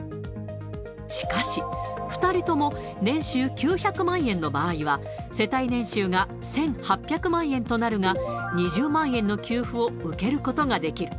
しかし、２人とも年収９００万円の場合は、世帯年収が１８００万円となるが、２０万円の給付を受けることができる。